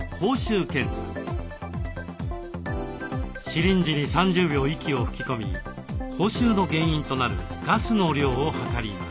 シリンジに３０秒息を吹き込み口臭の原因となるガスの量を測ります。